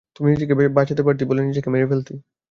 তুই নিজেকে বাচাতে পারতি ঘরে নিজেকে মেরে ফেলতি!